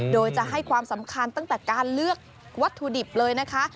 โดยจะให้ความสำคัญตั้งแต่การเลือกวัตถุดิบเลยนะคะ